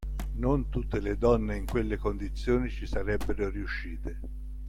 Non tutte le donne in quelle condizioni ci sarebbero riuscite.